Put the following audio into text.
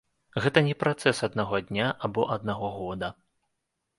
Гэта не працэс аднаго дня або аднаго года.